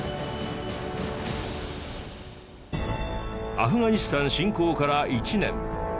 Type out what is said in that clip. アフガニスタン侵攻から１年。